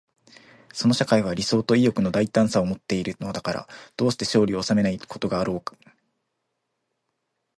その社会は理想と意欲の大胆さとをもっているのだから、どうして勝利を収めないことがあろう。